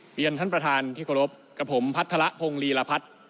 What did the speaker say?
เรียนท่านประธานที่เคารพกับผมพัฒระพงลีรพัฒน์